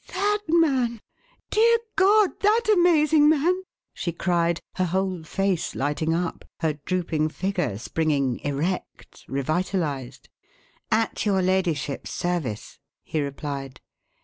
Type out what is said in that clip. "That man? Dear God! that amazing man?" she cried, her whole face lighting up, her drooping figure springing erect, revitalized. "At your ladyship's service," he replied.